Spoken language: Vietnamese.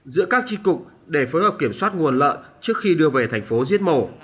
giữa các tri cục để phối hợp kiểm soát nguồn lợn trước khi đưa về thành phố giết mổ